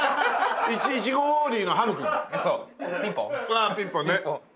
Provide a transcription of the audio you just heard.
ああピンポンね。